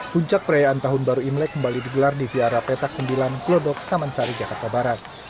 puncak perayaan tahun baru imlek kembali digelar di viara petak sembilan klodok taman sari jakarta barat